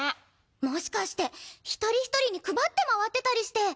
もしかして一人一人に配って回ってたりして。